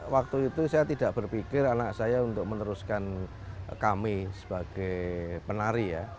waktu itu saya tidak berpikir anak saya untuk meneruskan kami sebagai penari ya